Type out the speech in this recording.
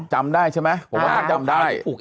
จำได้ใช่ไหมผมว่าท่านจำได้